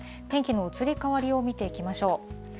天気の移り変わりを見ていきましょう。